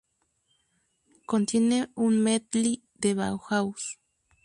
Contiene un medley de Bauhaus.